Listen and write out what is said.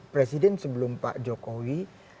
presiden sebelum pak jokowi